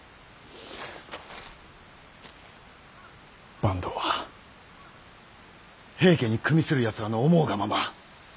坂東は平家に与するやつらの思うがまま。